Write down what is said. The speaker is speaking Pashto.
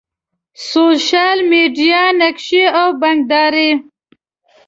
سوشل میډیا، نقشي او بانکداری